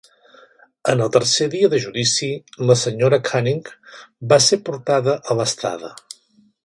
En el tercer dia de judici, la Sra. Canning va ser portada a l'estrada.